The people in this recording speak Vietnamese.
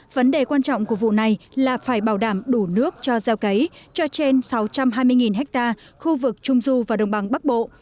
vấn đề quan trọng của vụ này là phải bảo đảm đủ nước cho gieo cấy cho trên sáu trăm hai mươi ha khu vực trung du và đồng bằng bắc bộ